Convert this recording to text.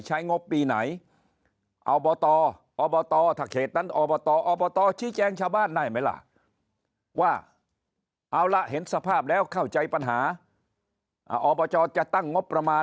ใช้งบปีไหนอบตอบตถักเหตุนั้นอบตอบตชี้แจงชาวบ้านได้ไหมล่ะ